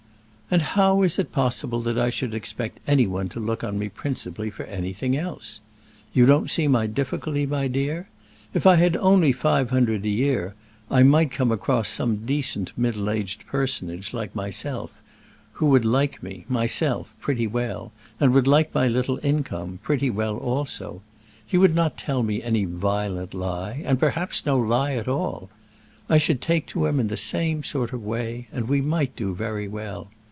"And how is it possible that I should expect any one to look to me principally for anything else? You don't see my difficulty, my dear? If I had only five hundred a year, I might come across some decent middle aged personage, like myself, who would like me, myself, pretty well, and would like my little income pretty well also. He would not tell me any violent lie, and perhaps no lie at all. I should take to him in the same sort of way, and we might do very well.